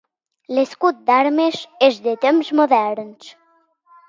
L'escut d'armes és de temps moderns.